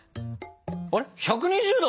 あれ１２０℃？